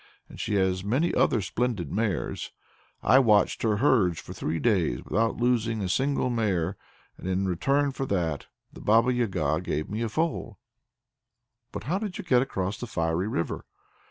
And she has many other splendid mares. I watched her herds for three days without losing a single mare, and in return for that the Baba Yaga gave me a foal." "But how did you get across the fiery river?"